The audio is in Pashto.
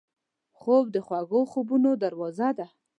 خوب د خوږو خوبونو دروازه ده